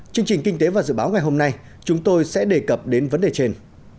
chương trình kinh tế và dự báo ngày hôm nay chúng tôi sẽ đề cập đến vấn đề trên